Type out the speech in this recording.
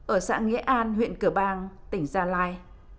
ở xã nghĩa an huyện cửa bang tỉnh gia lai